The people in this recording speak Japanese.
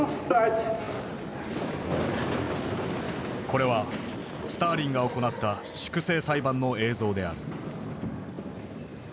これはスターリンが行った粛清裁判の映像である。